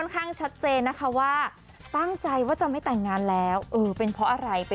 กดอย่างวัยจริงเห็นพี่แอนทองผสมเจ้าหญิงแห่งโมงการบันเทิงไทยวัยที่สุดค่ะ